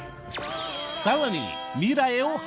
さらに